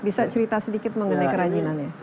bisa cerita sedikit mengenai kerajinan ya